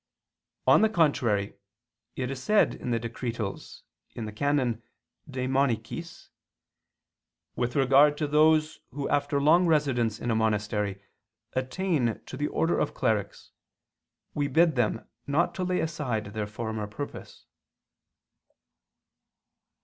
On the contrary, It is said in the Decretals (XVI, qu. i, can. De Monachis): "With regard to those who after long residence in a monastery attain to the order of clerics, we bid them not to lay aside their former purpose."